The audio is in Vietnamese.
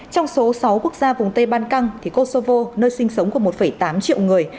trong số sáu quốc gia vùng tây ban căng thì kosovo nơi sinh sống của một tám triệu người